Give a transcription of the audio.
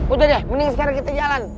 udah deh mending sekarang kita jalan